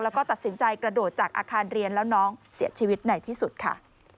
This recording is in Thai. แล้วก็ตัดสินใจกระโดดจากอาคารเรียนแล้วน้องเสียชีวิตในที่สุดค่ะ